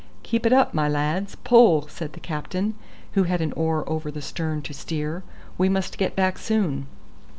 "Keep it up, my lads; pull!" said the captain, who had an oar over the stern to steer. "We must get back soon."